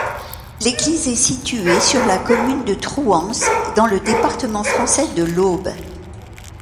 L'église est située sur la commune de Trouans, dans le département français de l'Aube.